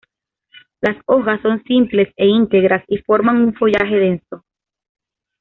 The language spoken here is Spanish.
Las hojas son simples e íntegras y forman un follaje denso.